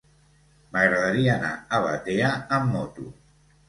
M'agradaria anar a Batea amb moto.